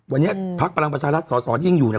วันนี้ภักดิ์ประลังประชารัฐสอสอที่ยังอยู่เนี่ย